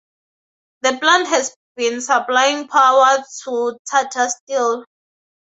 The plant has been supplying power to Tata Steel.